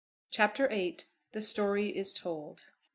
CHAPTER VIII. THE STORY IS TOLD.